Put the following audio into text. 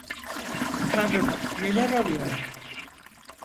Tanrım, neler oluyor?